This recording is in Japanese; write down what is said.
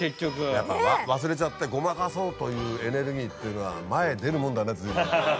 やっぱ忘れちゃってごまかそうというエネルギーっていうのは前へ出るもんだね随分。